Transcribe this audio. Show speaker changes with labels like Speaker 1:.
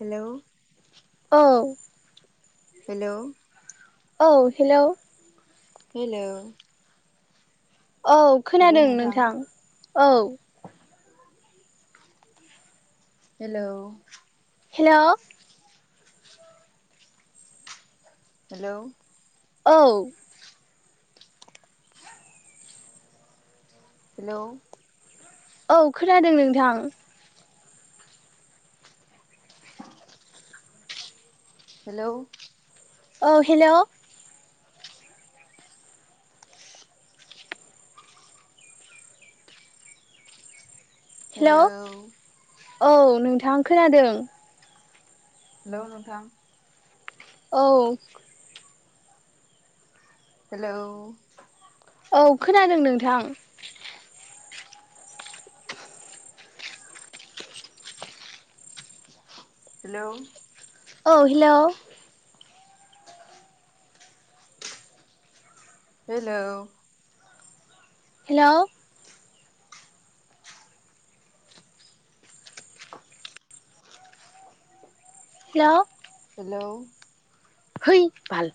Speaker 1: Hello.
Speaker 2: औ
Speaker 1: hello.
Speaker 2: औ hello.
Speaker 1: Hello
Speaker 2: औ खोनादों नोंथां औ
Speaker 1: हेल'।
Speaker 2: हेलौ
Speaker 1: हेलौ
Speaker 2: औ।
Speaker 1: हेलौ।
Speaker 2: औ खोनादों नोंथां।
Speaker 1: हेलौ
Speaker 2: औ हेलौ
Speaker 1: हेलौ
Speaker 2: औ नोंथां खोनादों।
Speaker 1: हेलौ नोंथां
Speaker 2: औ।
Speaker 1: हेलौ
Speaker 2: औ खोनादों नोंथां।
Speaker 1: हेलौ।
Speaker 2: औ hello.
Speaker 1: Hello
Speaker 2: hello
Speaker 1: [unintelligible]
Speaker 2: hello.
Speaker 1: Hello
Speaker 2: हैइ बाल